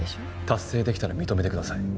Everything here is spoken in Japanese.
達成できたら認めてください。